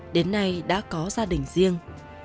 đến nay đã có gia đình riêng